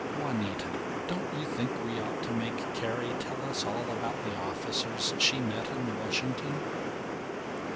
Juanita! Don't you think we ought to make Carrie tell us about the officers she met in Washington?"